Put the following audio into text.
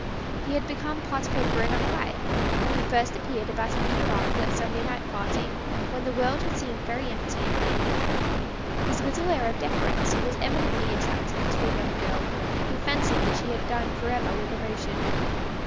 He had become part of her grown up life, having first appeared about a year after that Sunday night parting, when the world had seemed very empty indeed. His little air of deference was eminently attractive to a young girl who fancied that she had done for ever with emotion.